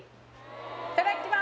いただきまー